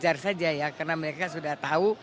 ya kalau saya sih wajar saja ya karena mereka sudah tahu